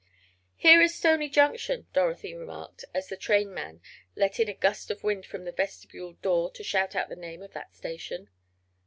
"Here is Stony Junction," Dorothy remarked, as the trainman let in a gust of wind from the vestibuled door to shout out the name of that station.